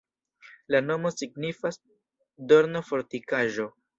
La nomo signifas: dorno-fortikaĵo.